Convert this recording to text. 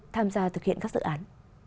tham gia thực hiện các dự án